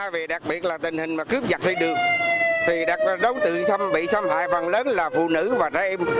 vì đặc biệt là tình hình mà cướp giật đi đường thì đặc biệt là đối tượng bị xâm hại phần lớn là phụ nữ và trẻ em